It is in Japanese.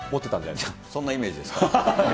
いや、そんなイメージですか？